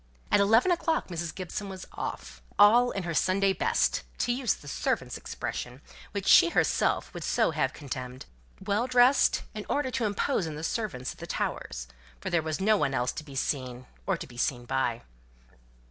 At eleven o'clock Mrs. Gibson was off, all in her Sunday best (to use the servant's expression, which she herself would so have contemned), well dressed in order to impose on the servants at the Towers, for there was no one else to see or to be seen by.